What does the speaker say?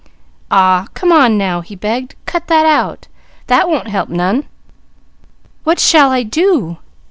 "Aw come on now!" he begged. "Cut that out! That won't help none! What shall I _do?